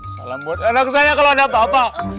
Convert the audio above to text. salam buat anak saya kalau ada bapak